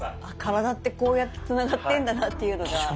体ってこうやってつながってんだなっていうのが。